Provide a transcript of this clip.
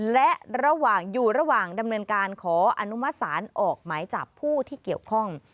และอยู่ระหว่างดำเนินการขออนุมสารออกหมายจากผู้ที่เกี่ยวข้อง